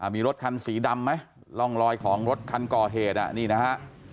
มีรถคันสีดำไหมร่องรอยของรถคันก่อเหตุนี่นะฮะ